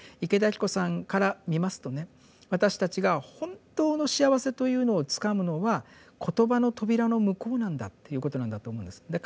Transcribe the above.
池田晶子さんから見ますとね私たちが本当の幸せというのをつかむのは言葉の扉の向こうなんだっていうことなんだと思うんです。